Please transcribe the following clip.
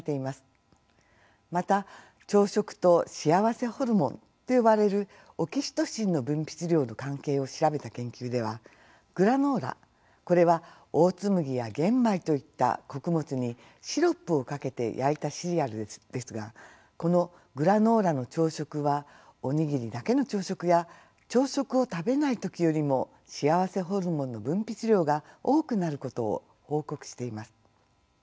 また朝食と幸せホルモンと呼ばれるオキシトシンの分泌量の関係を調べた研究ではグラノーラこれはオーツ麦や玄米といった穀物にシロップをかけて焼いたシリアルですがこのグラノーラの朝食はオニギリだけの朝食や朝食を食べない時よりも幸せホルモンの分泌量が多くなることを報告しています。